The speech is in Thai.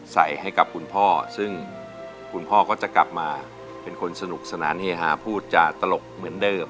สนุกสนานเฮฮาพูดจะตลกเหมือนเดิม